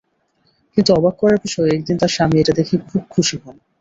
কিন্তু অবাক করার বিষয়, একদিন তাঁর স্বামী এটা দেখে খুব খুশি হন।